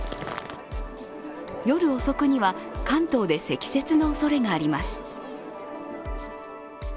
夜遅くには関東で積雪のおそれがあります。